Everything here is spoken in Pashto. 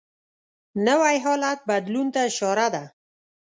نوی حالت بدلون ته اشاره ده